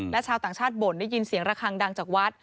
และชาวต่างชาติบ่นได้ยินเสียงระคังดังจากวัด